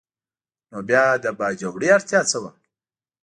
نو بیا د باجوړي اړتیا څه وه؟